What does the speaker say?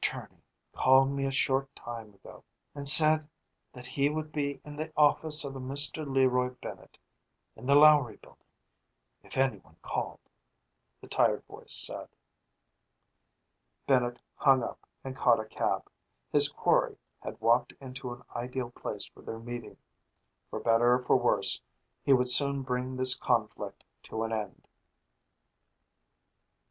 Tournay called me a short time ago and said that he would be in the office of a Mr. Leroy Bennett, in the Lowry building, if anyone called," the tired voice said. Bennett hung up and caught a cab. His quarry had walked into an ideal place for their meeting. For better or for worse, he would soon bring this conflict to an end.